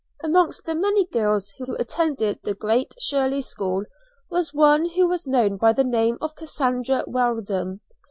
Amongst the many girls who attended the Great Shirley School was one who was known by the name of Cassandra Weldon.